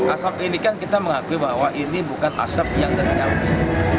asap ini kan kita mengakui bahwa ini bukan asap yang dari nyambi